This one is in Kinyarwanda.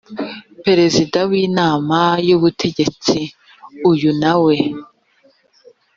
perezida w inama y ubutegetsi uyu nawe